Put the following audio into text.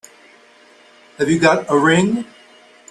Have you got a ring?